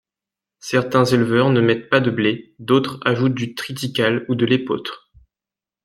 Certains éleveurs ne mettent pas de blé, d'autres ajoutent du triticale ou de l'épeautre.